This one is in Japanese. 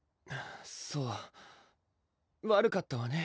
そう悪かったわね